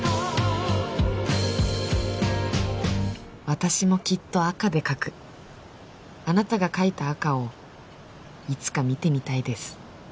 私もきっと赤で描くあなたが描いた赤をいつか見てみたいです